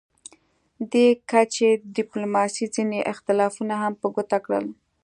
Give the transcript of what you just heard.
دې کچې ډیپلوماسي ځینې اختلافونه هم په ګوته کړل